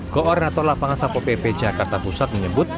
koordinator lapangan sapo pp jakarta pusat menyebut